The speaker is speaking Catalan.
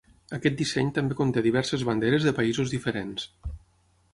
Aquest disseny també conté diverses banderes de països diferents.